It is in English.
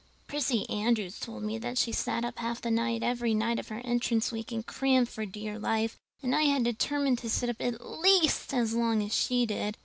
Prissy Andrews told me that she sat up half the night every night of her Entrance week and crammed for dear life; and I had determined to sit up at least as long as she did.